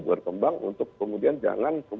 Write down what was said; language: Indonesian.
bertembang untuk kemudian jangan